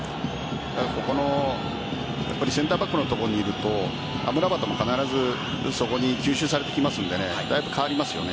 センターバックのところにいるとアムラバトも必ずそこに吸収されてきますのでだいぶ変わりますよね。